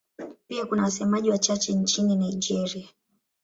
Pia kuna wasemaji wachache nchini Nigeria.